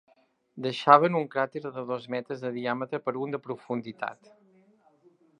Deixaven un cràter de dos metres de diàmetre per un de profunditat